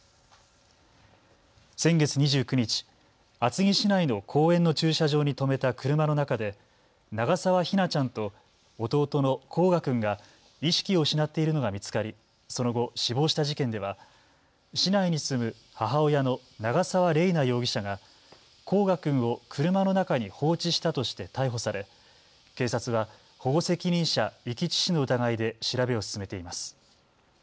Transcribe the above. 先月２９日、厚木市内の公園の駐車場に止めた車の中で長澤姫梛ちゃんと弟の煌翔君が意識を失っているのが見つかり、その後、死亡した事件では市内に住む母親の長澤麗奈容疑者が煌翔君を車の中に放置したとして逮捕され警察は保護責任者遺棄致死の疑いで調べを進めています。